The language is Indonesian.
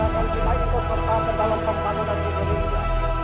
dan akan kita ikut sertakan dalam pembangunan indonesia